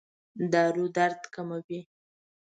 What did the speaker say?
دارو درد کموي؟